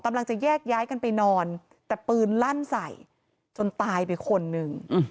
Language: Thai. กำลังจะแยกย้ายกันไปนอนแต่ปืนลั่นใส่จนตายไปคนหนึ่ง